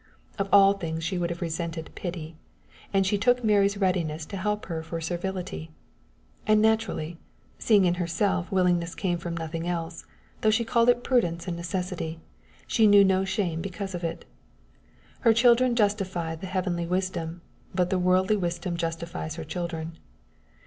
Of all things she would have resented pity; and she took Mary's readiness to help for servility and naturally, seeing in herself willingness came from nothing else, though she called it prudence and necessity, and knew no shame because of it. Her children justify the heavenly wisdom, but the worldly wisdom justifies her children.